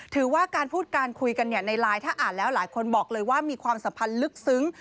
ถือว่าการพูดการคุยกันในไลน์ถ้าอ่านแล้วหลายคนบอกเลยว่ามีความสัมพันธ์ลึกซึ้ง